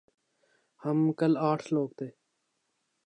ہم کل آٹھ لوگ تھے ۔